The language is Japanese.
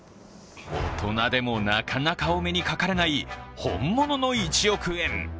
大人でも、なかなかお目にかかれない本物の１億円。